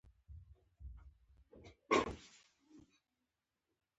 ما وویل: ته ډېره ښه او مهربانه یې، مننه درڅخه.